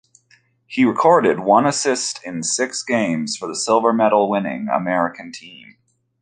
He recorded one assist in six games for the silver-medal-winning American team.